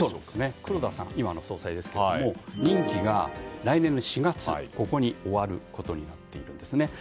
黒田さん、今の総裁ですが任期が来年の４月終わることになっているんです。